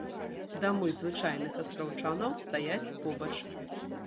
Дамы звычайных астраўчанаў стаяць побач.